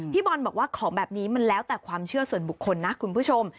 บอลบอกว่าของแบบนี้มันแล้วแต่ความเชื่อส่วนบุคคลนะคุณผู้ชม